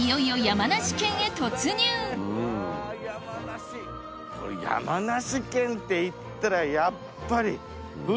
山梨県っていったらやっぱり。